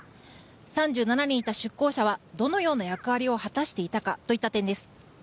３７人いた出向者はどのような役割を果たしていたかといった点です。